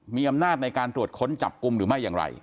มีอำนาจในการตรวจค้นจับกลุ่มหรือไม่อย่างไร